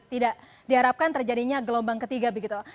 tidak diharapkan terjadinya gelombang ketiga begitu